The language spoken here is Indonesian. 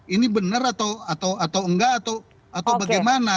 ini benar atau enggak atau bagaimana